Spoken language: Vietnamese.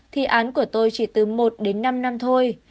thì án của tôi chỉ từ một đến năm năm thôi